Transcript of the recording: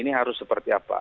ini harus seperti apa